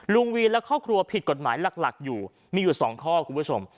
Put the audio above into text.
วีนและครอบครัวผิดกฎหมายหลักอยู่มีอยู่๒ข้อคุณผู้ชม